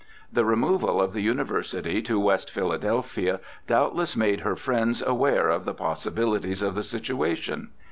The removal of the University to West Philadelphia doubtless made her friends aware of the possibilities of the situation.